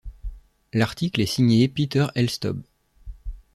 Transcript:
L'article est signé Peter Elstob.